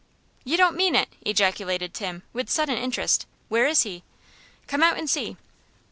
"You don't mean it!" ejaculated Tim, with sudden interest. "Where is he?" "Come out and see."